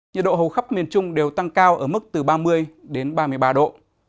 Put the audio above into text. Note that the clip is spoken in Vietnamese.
nhiệt độ hầu khắp miền trung đều tăng cao ở mức từ ba mươi đến ba mươi ba độ